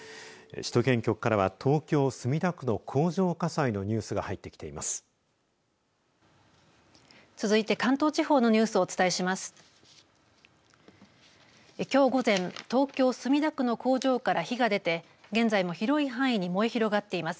首都圏局からは東京、墨田区の工場火災のニュースが入ってきています。